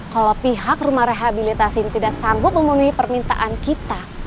kalau pihak rumah rehabilitasi ini tidak sanggup memenuhi permintaan kita